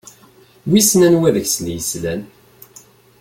Wissen anwa deg-sen i yeslan?